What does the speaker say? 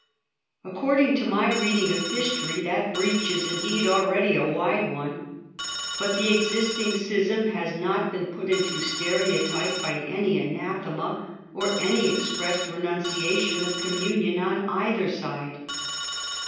According to my reading (if history, that breach is indeed alreadv a wide one: but the existing schism has not been put Into stereotype by any anathema or any expressed renunciation of communion on either side.